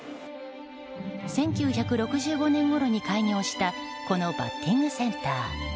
１９６５年ごろに開業したこのバッティングセンター。